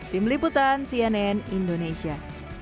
tim liputan cnn indonesia